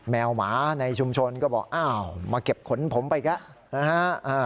แมวหมาในชุมชนก็บอกอ้าวมาเก็บขนผมไปอีกแล้วนะฮะ